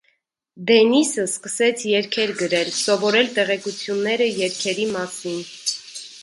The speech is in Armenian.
Դենիսը սկսեց երգեր գրել, սովորել տեղեկությունները երգերի մասին։